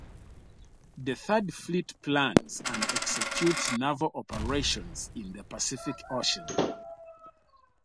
The Third Fleet plans and executes naval operations in the Pacific Ocean.